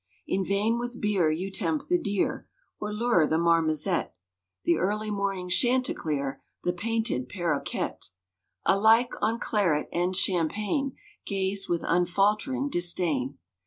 "= In vain with beer you tempt the Deer, `Or lure the Marmozet; The early morning Chanticleer, `The painted Parroquet, Alike, on claret and champagne Gaze with unfaltering disdain.